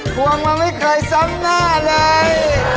กลัวมาไม่เคยซ้ำหน้าเลย